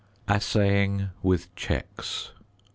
~Assaying with checks.